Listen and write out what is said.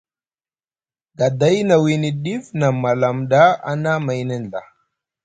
Gaday na wiini ɗif na malam ɗa a na mayni nɵa.